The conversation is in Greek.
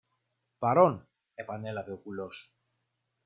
Παρών! επανέλαβε ο κουλός.